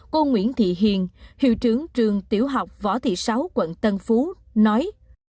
cô nguyễn thị hiền hiệu trưởng trường tiểu học võ thị sáu quận tân phú nói